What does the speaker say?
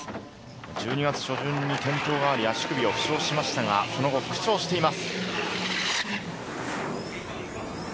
１２月初旬に転倒があり、足首を負傷しましたが、その後、復調しています。